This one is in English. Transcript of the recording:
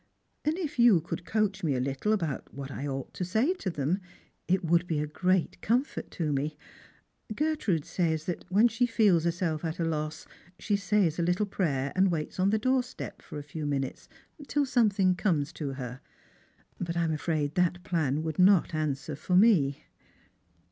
And if you could coach me a little about what I ought to say to them, it would be a great comfort to me. Gertrude says that when she feels herself at a loss she says a little jarayer, and waits on the doorstep for a few minutes, till something comes to her. But I'm afraid that plan would not answer lor me."